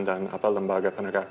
dan lembaga penegak